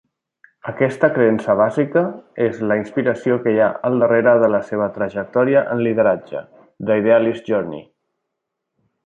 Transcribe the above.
Aquesta creença bàsica és la inspiració que hi ha al darrere de la seva trajectòria en lideratge, The Idealist's Journey.